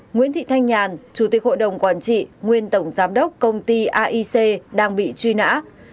ba nguyễn thị thanh nhàn chủ tịch hội đồng quản trị nguyên tổng giám đốc công ty aic đang bị truy nã